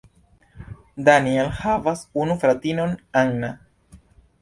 Daniel havas unu fratinon Anna.